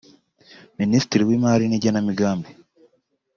Minisitiri w’Imari n’Igenamigambi